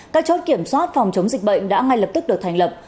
các chốt kiểm soát phòng chống dịch bệnh đã ngay lập tức được thành lập